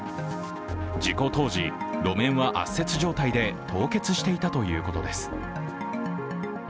事故当時、路面は圧雪状態で凍結していたということです。